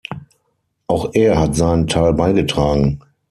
Auch er hat seinen Teil beigetragen.